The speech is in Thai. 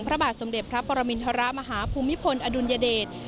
พระบาทสมเด็จพระปรมินทรมาฮภูมิพลอดุลยเดช